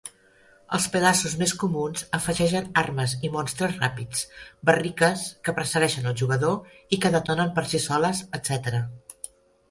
Els pedaços més comuns afegeixen armes i monstres ràpids, barriques que persegueixen el jugador i que detonen per si soles, etc.